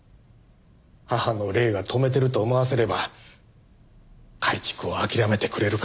母の霊が止めてると思わせれば改築を諦めてくれるかと。